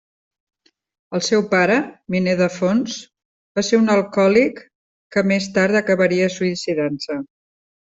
El seu pare, miner de fons, va ser un alcohòlic que més tard acabaria suïcidant-se.